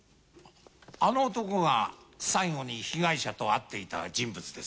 あの男が最後に被害者と会っていた人物です。